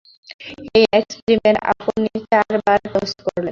এই এক্সপেরিমেন্টে আপনি চার বার টস করলেন।